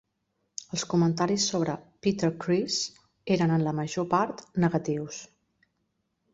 Els comentaris sobre "Peter Criss" eren, en la major part, negatius.